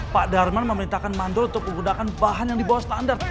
pak darman memerintahkan mandul untuk menggunakan bahan yang di bawah standar